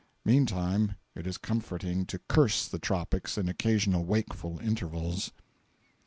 Meantime it is comforting to curse the tropics in occasional wakeful intervals.